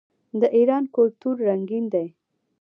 د ایران کلتور رنګین دی.